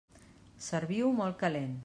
Serviu-ho molt calent.